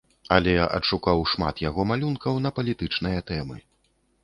Але адшукаў шмат яго малюнкаў на палітычныя тэмы.